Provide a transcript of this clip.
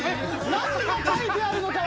何が書いてあるのかを。